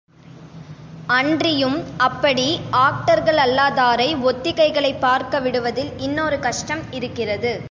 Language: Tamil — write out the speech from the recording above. அன்றியும் அப்படி ஆக்டர்களல்லா தாரை ஒத்திகைகளைப் பார்க்க விடுவதில் இன்னொரு கஷ்டம் இருக்கிறது.